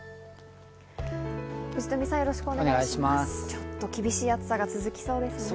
ちょっと厳しい暑さが続きそうですね。